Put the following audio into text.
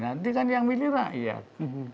nanti kan yang milih rakyat